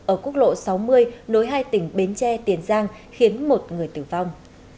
ở quốc lộ sáu mươi nối hai tỉnh bến tre tiền giang khiến một người tử vong